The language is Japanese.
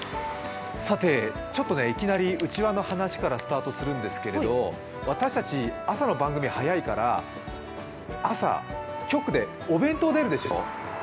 さて、ちょっといきなり内輪の話からスタートするんですけれど、私たち朝の番組、早いから朝、局でお弁当出るでしょ。